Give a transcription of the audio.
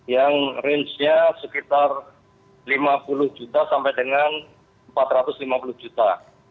yang rangenya sekitar rp lima puluh juta sampai dengan rp empat ratus lima puluh juta